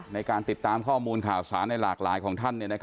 ในการติดตามข้อมูลข่าวสารในหลากหลายของท่าน